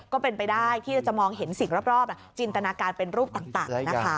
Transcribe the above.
ก็เป็นไปได้ที่จะมองเห็นสิ่งรอบจินตนาการเป็นรูปต่างนะคะ